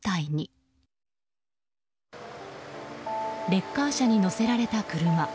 レッカー車に乗せられた車。